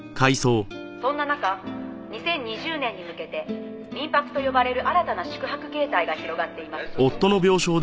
「そんな中２０２０年に向けて民泊と呼ばれる新たな宿泊形態が広がっています」